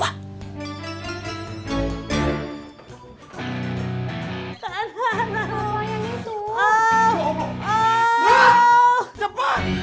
cepat mama keguguran